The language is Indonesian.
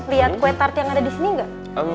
lihat kue tart yang ada disini gak